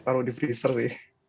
taruh di freezer sih